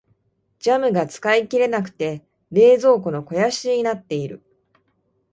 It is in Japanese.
ジャムが使い切れなくて冷蔵庫の肥やしになっている。